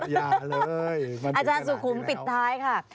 อย่าเลยอาจารย์สุขุมปิดท้ายค่ะ